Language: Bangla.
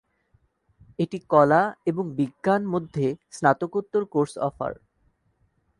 এটি কলা এবং বিজ্ঞান মধ্যে স্নাতকোত্তর কোর্স অফার।